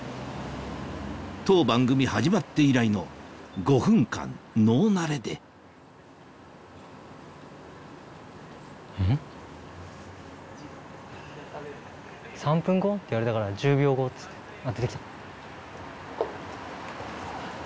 当番組始まって以来の５分間ノーナレで３分後って言われたから１０秒後って。